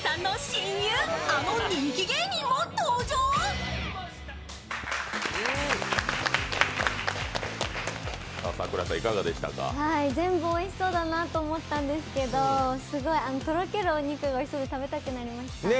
次回は全部、おいしそうだなと思ったんですけどすごい、あのとろけるお肉がおいしそうで食べたくなりました。